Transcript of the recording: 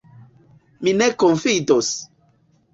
Mi ne konfidos.